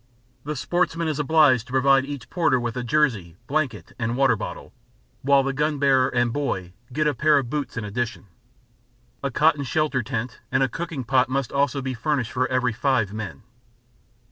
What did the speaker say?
The sportsman is obliged to provide each porter with a jersey, blanket and water bottle, while the gun bearer and "boy" get a pair of boots in addition. A cotton shelter tent and a cooking pot must also be furnished for every five men.